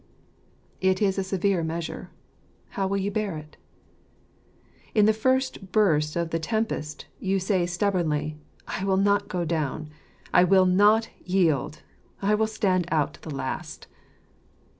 It is a severe measure : how will you bear it ? In the first burst of the tempest, you say stubbornly, " I will not go down ; I will not yield ; I will stand out to the last."